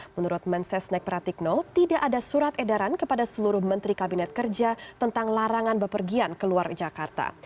menurut mensesnek pratikno tidak ada surat edaran kepada seluruh menteri kabinet kerja tentang larangan bepergian keluar jakarta